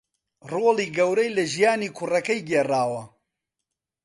رۆڵی گەورەی لە ژیانی کوڕەکەی گێڕاوە